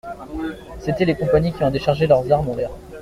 C'étaient les compagnies qui déchargeaient leurs armes en l'air.